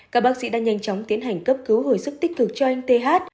cả bác sĩ đang nhanh chóng tiến hành cấp cứu hồi sức tích cực cho anh th